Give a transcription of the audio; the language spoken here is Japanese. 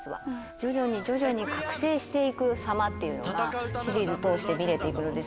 徐々に徐々に覚醒して行く様っていうのがシリーズ通して見れて行くので。